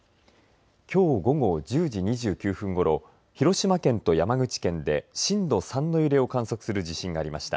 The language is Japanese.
きょう午後１０時２９分ごろ広島県と山口県で震度３の揺れを観測する地震がありました。